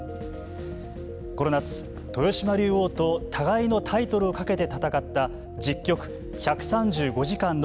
この夏、豊島竜王と互いのタイトルをかけて闘った１０局１３５時間の激闘。